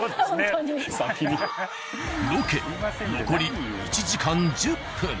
ロケ残り１時間１０分。